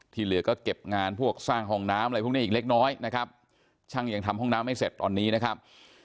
เหลือก็เก็บงานพวกสร้างห้องน้ำอะไรพวกนี้อีกเล็กน้อยนะครับช่างยังทำห้องน้ำไม่เสร็จตอนนี้นะครับ